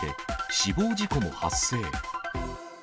死亡事故も発生。